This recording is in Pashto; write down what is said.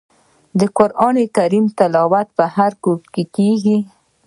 د قران کریم تلاوت په هر کور کې کیږي.